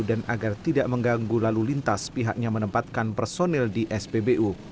dan agar tidak mengganggu lalu lintas pihaknya menempatkan personil di spbu